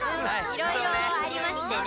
いろいろありましてね。